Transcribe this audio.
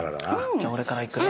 じゃあ俺からいくね。